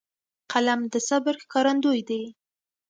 قلم د صبر ښکارندوی دی